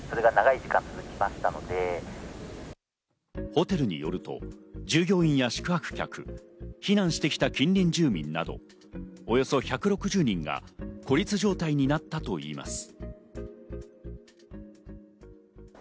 ホテルによると従業員や宿泊客、避難してきた近隣住民などおよそ１６０人が孤立状態になったといいます。